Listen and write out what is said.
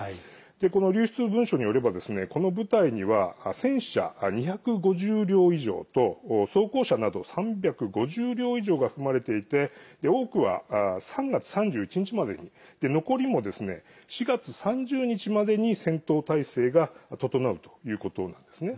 この流出の文書によればこの部隊には戦車２５０両以上と装甲車など３５０両以上が含まれていて多くは３月３１日までに残りも４月３０日までに戦闘態勢が整うということなんですね。